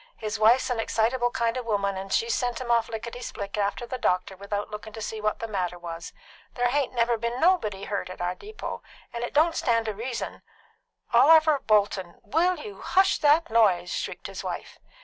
His wife's an excitable kind of a woman, and she's sent him off lickety split after the doctor without looking to see what the matter was. There hain't never been anybody hurt at our depot, and it don't stand to reason " "Oliver Bolton, will you hush that noise?" shrieked his wife.